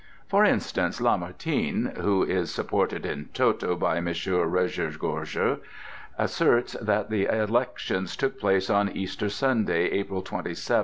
For instance, Lamartine (who is supported in toto by M. Rougegorge) asserts that the elections took place on Easter Sunday, April 27, 1848.